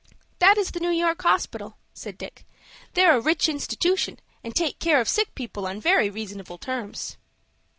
"That is the New York Hospital," said Dick. "They're a rich institution, and take care of sick people on very reasonable terms."